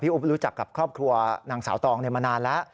อุ๊บรู้จักกับครอบครัวนางสาวตองมานานแล้ว